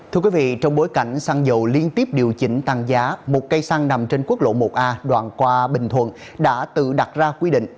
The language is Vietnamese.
thưa quý vị trong bối cảnh xăng dầu liên tiếp điều chỉnh tăng giá một cây xăng nằm trên quốc lộ một a đoạn qua bình thuận đã tự đặt ra quy định